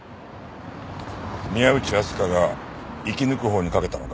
宮内あすかが生き抜くほうに賭けたのか？